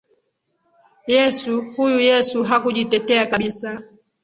Yesu, huyu Yesu hakujitetea kabisa